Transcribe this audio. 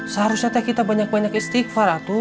seharusnya teh kita banyak banyak istighfar atuh